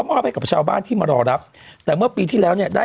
มอบให้กับชาวบ้านที่มารอรับแต่เมื่อปีที่แล้วเนี่ยได้